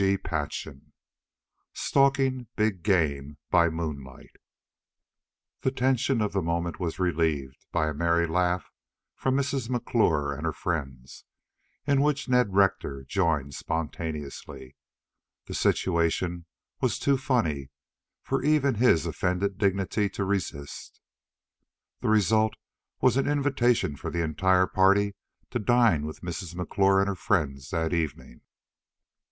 CHAPTER V STALKING BIG GAME BY MOONLIGHT The tension of the moment was relieved by a merry laugh from Mrs. McClure and her friends, in which Ned Rector joined spontaneously. The situation was too funny for even his offended dignity to resist. The result was an invitation for the entire party to dine with Mrs. McClure and her friends that evening.